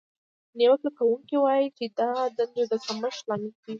نیوکه کوونکې وایي چې دا د دندو د کمښت لامل کیږي.